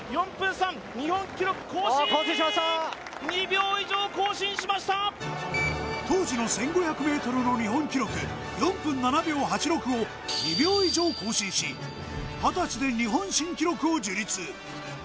３日本記録更新・更新しました当時の１５００ｍの日本記録４分７秒８６を２秒以上更新し２０歳で日本新記録を樹立